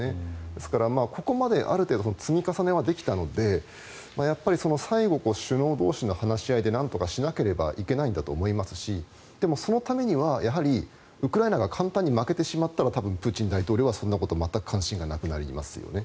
ですからここまである程度積み重ねはできたので最後、首脳同士の話し合いでなんとかしなければいけないんだと思いますしそのためには、やはりウクライナが簡単に負けてしまったらプーチン大統領はそんなこと全く関心がなくなりますよね。